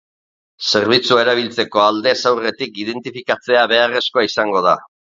Zerbitzua erabiltzeko aldez aurretik identifikatzea beharrezkoa izango da.